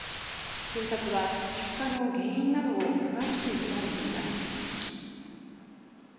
警察は出火の原因などを詳しく調べています。